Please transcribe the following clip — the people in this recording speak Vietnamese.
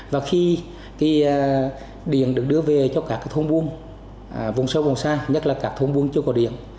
và khi điện được đưa về cho các thôn buôn vùng sâu vùng xa nhất là các thôn buôn chưa có điện